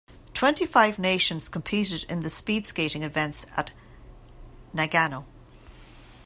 Twenty-five nations competed in the speed skating events at Nagano.